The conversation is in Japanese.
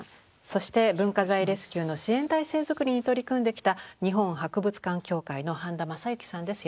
そして文化財レスキューの支援体制づくりに取り組んできた日本博物館協会の半田昌之さんです。